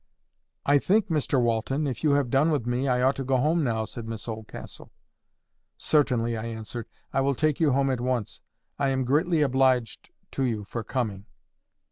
"I think, Mr Walton, if you have done with me, I ought to go home now," said Miss Oldcastle. "Certainly," I answered. "I will take you home at once. I am greatly obliged to you for coming."